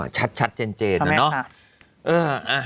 ชัดเจนเลยเนาะ